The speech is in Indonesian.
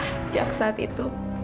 sejak saat itu